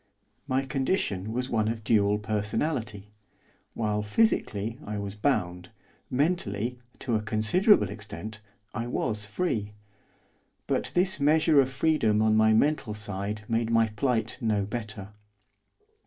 My condition was one of dual personality, while, physically, I was bound, mentally, to a considerable extent, I was free. But this measure of freedom on my mental side made my plight no better.